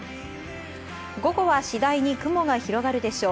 午後は次第に雲が広がるでしょう。